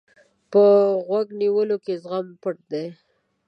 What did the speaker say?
په غوږ نیولو کې زغم پټ دی.